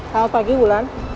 selamat pagi ulan